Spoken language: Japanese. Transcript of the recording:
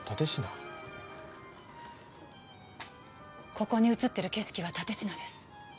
ここに写ってる景色は蓼科です。